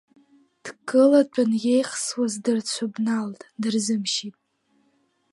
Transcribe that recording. Икылатәан иеихсуаз дырцәыбналт дырзымшьит.